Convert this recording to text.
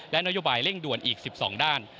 และนโยบายเร่งด่วนอีก๑๒ด้าน